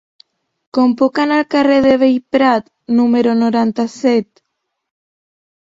Com puc anar al carrer de Bellprat número noranta-set?